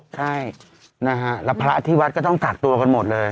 ใช่แล้วพระอธิวัตรก็ต้องกักตัวกันหมดเลย